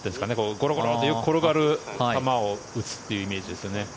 ゴロゴロってよく転がる球を打つというイメージですよね。